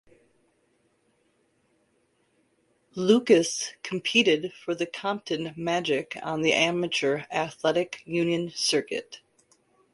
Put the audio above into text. Lucas competed for the Compton Magic on the Amateur Athletic Union circuit.